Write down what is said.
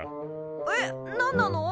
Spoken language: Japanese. えっ何なの？